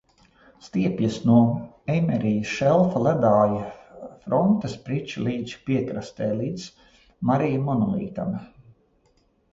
Stiepjas no Eimerija šelfa ledāja frontes Prica līča piekrastē līdz Marija monolītam.